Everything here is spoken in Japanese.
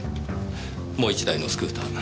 もう１台のスクーター